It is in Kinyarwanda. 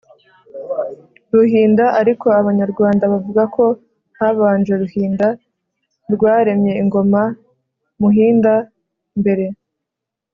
ruhinda. ariko abanyarwanda bavuga ko habanje ruhinda rwaremye ingoma-mhinda, mbere